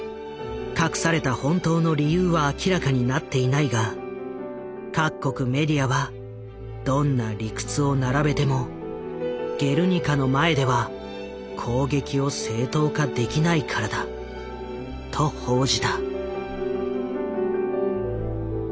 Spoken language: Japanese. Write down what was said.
隠された本当の理由は明らかになっていないが各国メディアは「どんな理屈を並べても『ゲルニカ』の前では攻撃を正当化できないからだ」と報じた。